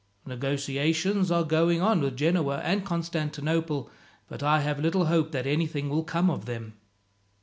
Negotiations are going on with Genoa and Constantinople, but I have little hope that anything will come of them.